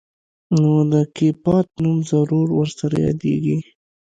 نو د کيپات نوم ضرور ورسره يادېږي.